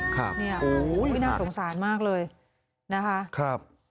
ครับโอ้โฮค่ะค่ะค่ะนี่น่าสงสารมากเลยนะคะ